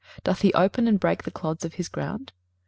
doth he open and break the clods of his ground?